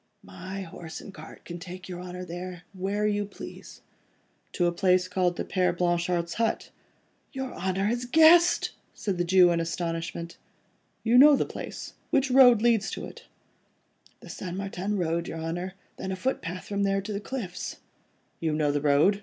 "My horse and cart can take your Honour there, where you please." "To a place called the Père Blanchard's hut?" "Your Honour has guessed?" said the Jew in astonishment. "You know the place?" "I know it, your Honour." "Which road leads to it?" "The St. Martin Road, your Honour, then a footpath from there to the cliffs." "You know the road?"